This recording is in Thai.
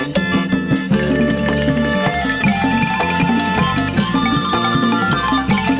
กลับมาที่สุดท้าย